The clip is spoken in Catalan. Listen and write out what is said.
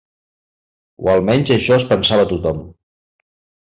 O almenys això es pensava tothom.